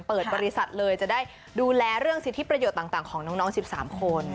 เปิดบริษัทเลยจะได้ดูแลเรื่องสิทธิประโยชน์ต่างของน้อง๑๓คน